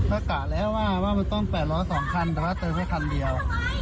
รักฏการณ์แล้วว่ามันต้อง๘๐๒คันแต่ว่าเจ้ามันก็คันเดียว